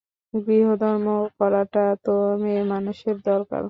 গৃহধর্ম করাটা তো মেয়ে মানুষের দরকার।